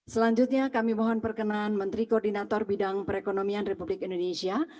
selanjutnya kami mohon perkenan menteri koordinator bidang perekonomian republik indonesia